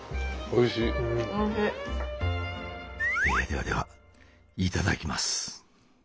ええではではいただきます。